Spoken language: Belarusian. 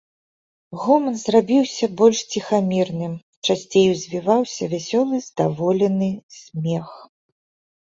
Гоман зрабіўся больш ціхамірным, часцей узвіваўся вясёлы, здаволены смех.